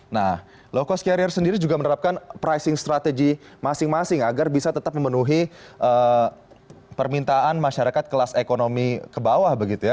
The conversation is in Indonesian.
nah low cost carrier sendiri juga menerapkan pricing strategy masing masing agar bisa tetap memenuhi permintaan masyarakat kelas ekonomi ke bawah begitu ya